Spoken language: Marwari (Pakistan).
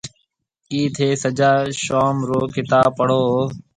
ڪِي ٿَي سجا شووم رو ڪتاب پڙهون هون؟